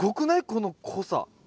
この濃さ。